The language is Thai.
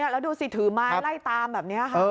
แล้วดูสิถือไม้ไล่ตามแบบนี้ค่ะ